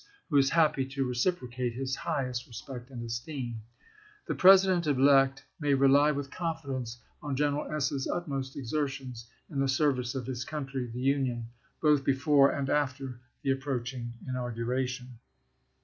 who is happy to reciprocate his highest respect and esteem. The President elect may rely with confidence on General S.'s utmost exertions in the service of his country (the Union) both before and after the approaching inauguration."